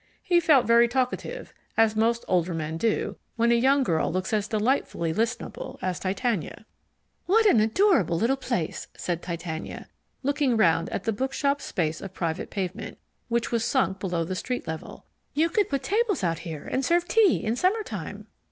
He felt very talkative, as most older men do when a young girl looks as delightfully listenable as Titania. "What an adorable little place," said Titania, looking round at the bookshop's space of private pavement, which was sunk below the street level. "You could put tables out here and serve tea in summer time."